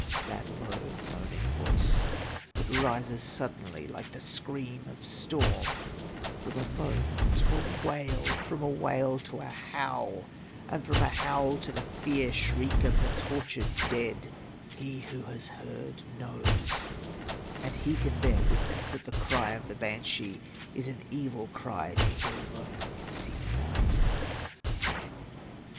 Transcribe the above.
That kw moaning voice that rises suddenly, Hke the scream oi storm, &om a moan to a wail, from a wail to a howl, from a howl to the fear shriek of the tortured dead — ^he who has heard knows, and he can bear witness that the cry of the banshee is an evil cry to hear alone in the deep night.